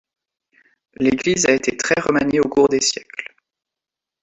L'église a été très remaniée au cours des siècles.